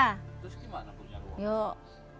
terus gimana punya ruang